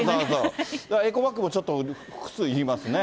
エコバッグもちょっと、複数いりますね。